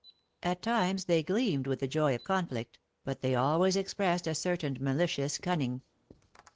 At times they gleamed with the joy of conflict, but they always expressed a certain malicious cunning.